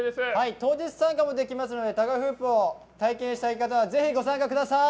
当日参加もできますのでタガフープを体験したい方はぜひご参加ください。